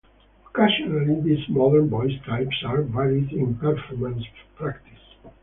Occasionally these modern voice types are varied in performance practice.